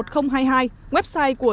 tổng đài một nghìn hai mươi hai website của